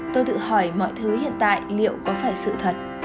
tôi tự hỏi mọi thứ hiện tại liệu có phải sự thật